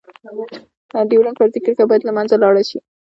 ډيورنډ فرضي کرښه باید لمنځه لاړه شی.